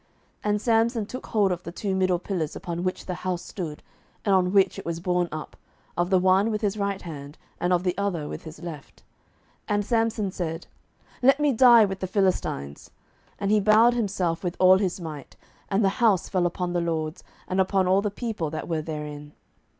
07:016:029 And Samson took hold of the two middle pillars upon which the house stood, and on which it was borne up, of the one with his right hand, and of the other with his left. 07:016:030 And Samson said, Let me die with the Philistines. And he bowed himself with all his might; and the house fell upon the lords, and upon all the people that were therein.